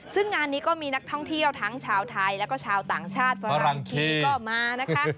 ซึ่งงานนี้ก็มีนักท่องเที่ยวทั้งชาวไทยแล้วก็ชาวต่างชาติฝรั่งคีก็มานะคะ